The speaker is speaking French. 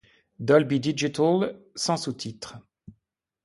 Dolby Digital sans sous-titres.